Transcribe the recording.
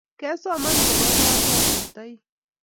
kesoman kopo kepwatutaik